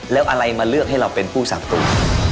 แล้วอะไรมาเลือกให้เราเป็นผู้สาประตู